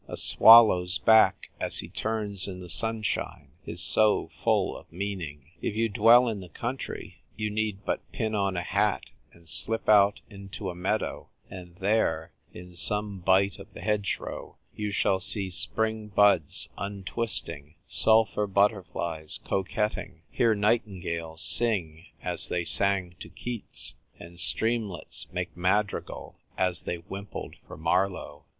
A swallow's back, as he turns in the sunshine, is so full of meaning. If you dwell in the country, you need but pin on a hat and slip out into a meadow, and there, in some bight of the hedgerow, you shall see spring buds untwisting, sulphur butterflies coquetting ; hear nightingales sing as they sang to Keats, and streamlets make madrigal as they wimpled for Marlowe.